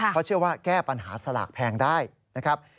เขาเชื่อว่าแก้ปัญหาสลากแพงได้นะครับ